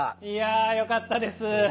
いやぁよかったです。